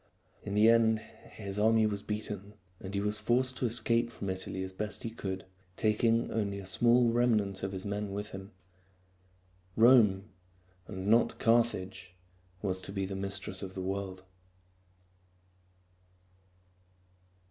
In the end his army was beaten, and he was forced to escape from Italy as best he could, taking only a small remnant of his men with him. Rome and not Carthage was to be the mistress of the world.